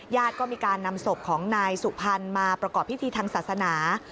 ก็มีการนำศพของนายสุพรรณมาประกอบพิธีทางศาสนา